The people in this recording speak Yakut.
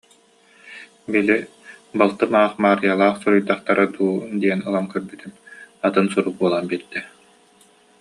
Били, балтым аах Маарыйалаах суруйдахтара дуу диэн ылан көрбүтүм, атын сурук буолан биэрдэ